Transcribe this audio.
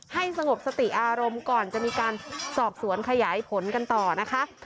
สงบสติอารมณ์ก่อนจะมีการสอบสวนขยายผลกันต่อนะคะ